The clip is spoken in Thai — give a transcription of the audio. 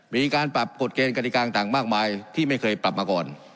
มีการปรับกฎเกณฑ์กฎิกาต่างมากมายที่ไม่เคยปรับมาก่อน